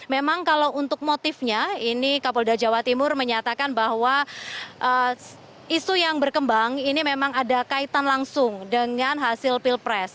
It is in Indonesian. memang kalau untuk motifnya ini kapolda jawa timur menyatakan bahwa isu yang berkembang ini memang ada kaitan langsung dengan hasil pilpres